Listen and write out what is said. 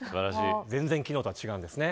全然、昨日とは違うんですね。